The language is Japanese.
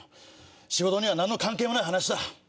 仕事には何の関係もない話だ。